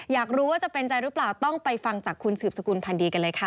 อยากรู้ว่าจะเป็นใจหรือเปล่าต้องไปฟังจากคุณสืบสกุลพันธ์ดีกันเลยค่ะ